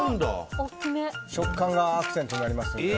食感がアクセントになりますので。